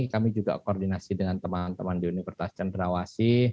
kami juga koordinasi dengan teman teman di universitas cenderawasi